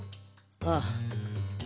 ああ。